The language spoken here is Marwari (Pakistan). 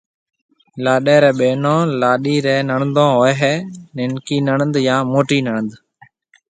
لاڏيَ ريَ ٻيونون لاڏيِ ريَ نَيڙڌُو هوئي هيَ۔ ننڪِي نَيڙڌ يان موٽِي نَيڙڌ